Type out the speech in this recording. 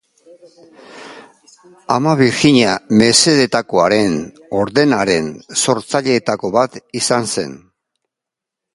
Ama Birjina Mesedetakoaren ordenaren sortzaileetako bat izan zen.